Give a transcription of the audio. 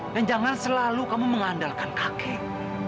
dan jangan selalu kamu mengandalkan kakek